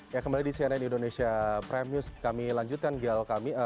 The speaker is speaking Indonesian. ya kembali di cnn indonesia prime news kami lanjutkan dialog kami